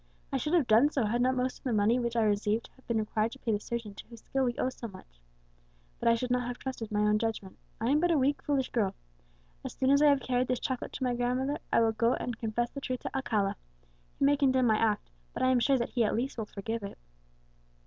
I should have done so, had not most of the money which I received been required to pay the surgeon to whose skill we owe so much. But I should not have trusted my own judgment; I am but a weak, foolish girl. As soon as I have carried this chocolate to my grandmother, I will go and confess the truth to Alcala. He may condemn my act, but I am sure that he at least will forgive it."